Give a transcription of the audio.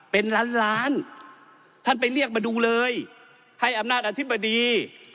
เป็นล้านล้านท่านไปเรียกมาดูเลยให้อำนาจอธิบดี